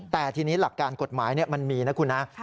แต่ทีนี้หลักการกฎหมายมันมีนะคุณนะ